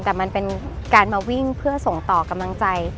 แต่มันเป็นการมาวิ่งเพื่อส่งต่อกำลังใจ